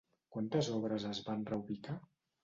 Quantes obres es van reubicar?